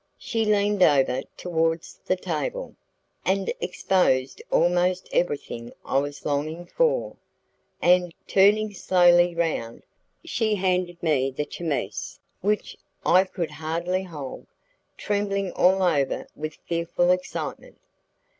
She leaned over towards the table, and exposed almost everything I was longing for, and, turning slowly round, she handed me the chemise which I could hardly hold, trembling all over with fearful excitement.